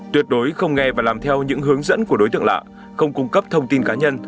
tuyệt đối không nghe và làm theo những hướng dẫn của đối tượng lạ không cung cấp thông tin cá nhân